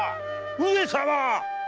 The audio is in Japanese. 上様！